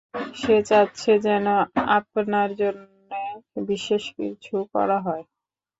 সে চাচ্ছে যেন আপনার জন্যে বিশেষ কিছু করা হয়।